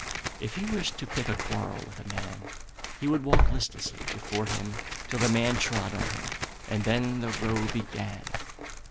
If he wished to pick a quarrel with a man, he would walk listlessly before him till the man trod on him, and then the row began.